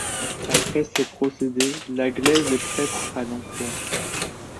Après ces procédés, la glaise est prête à l’emploi.